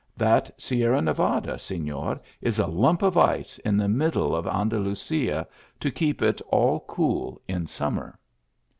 That Sierra Nevada, Senor, is a lump of ice in the middle of An dalusia, to keep it all cool in summer."